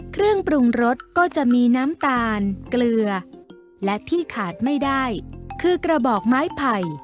เครื่องปรุงรสก็จะมีน้ำตาลเกลือและที่ขาดไม่ได้คือกระบอกไม้ไผ่